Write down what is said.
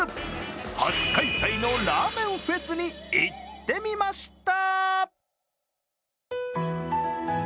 初開催のラーメンフェスに行ってみました。